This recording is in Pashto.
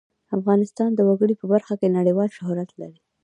افغانستان د وګړي په برخه کې نړیوال شهرت لري.